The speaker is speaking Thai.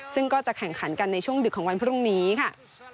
ซึ่งก็จะแข่งขันกันในช่วงดึกของวันพรุ่งนี้ค่ะ